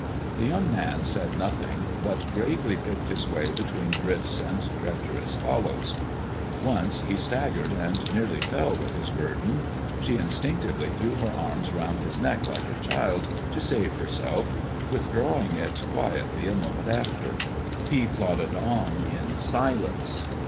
The young man said nothing, but gravely picked his way between drifts and treacherous hollows. Once he staggered, and nearly fell with his burden. She instinctively threw her arm round his neck like a child, to save herself, withdrawing it quietly a moment after. He plodded on in silence.